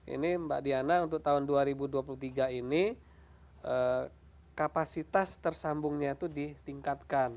ini mbak diana untuk tahun dua ribu dua puluh tiga ini kapasitas tersambungnya itu ditingkatkan